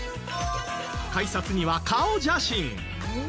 改札には顔写真。